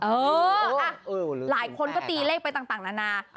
เออหลายคนก็ตีเลขไปต่างนานา